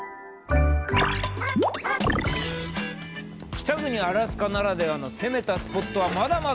北国アラスカならではの攻めたスポットはまだまだある。